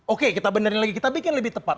oke kita benerin lagi kita bikin lebih tepat